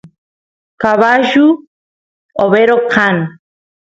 cabullu overo kan